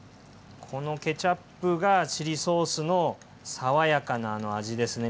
このケチャップがチリソースの爽やかなあの味ですね